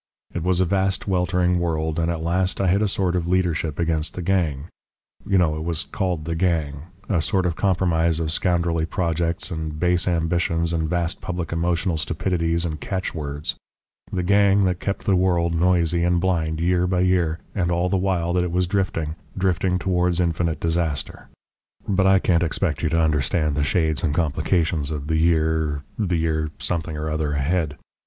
It was a vast weltering world, and at last I had a sort of leadership against the Gang you know it was called the Gang a sort of compromise of scoundrelly projects and base ambitions and vast public emotional stupidities and catchwords the Gang that kept the world noisy and blind year by year, and all the while that it was drifting, drifting towards infinite disaster. But I can't expect you to understand the shades and complications of the year the year something or other ahead.